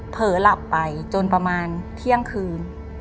เผลอหลับไปจนประมาณเที่ยงคืน